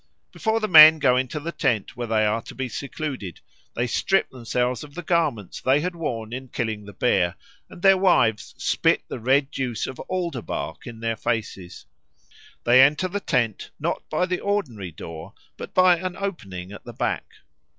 Before the men go into the tent where they are to be secluded, they strip themselves of the garments they had worn in killing the bear, and their wives spit the red juice of alder bark in their faces. They enter the tent not by the ordinary door but by an opening at the back.